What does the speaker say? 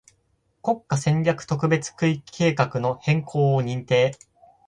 国家戦略特別区域計画の変更を認定